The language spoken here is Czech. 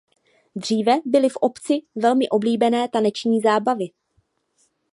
Dříve byli v obci velmi oblíbené taneční zábavy.